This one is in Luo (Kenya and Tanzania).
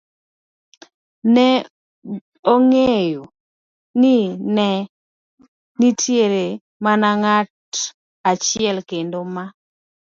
ne ong'eyo ni ne nitie mana ng'at achiel kende ma